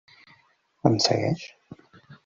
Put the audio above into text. Em segueix?